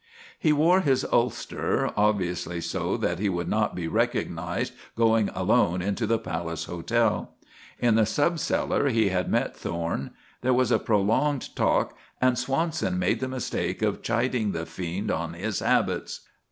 He wore his ulster, obviously so that he would not be recognised going alone into the Palace Hotel. In the subcellar he had met Thorne. There was a prolonged talk, and Swanson made the mistake of chiding the fiend on his habits.